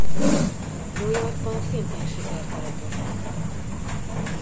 New Yorkban szintén sikert aratott.